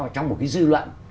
trong một cái dư luận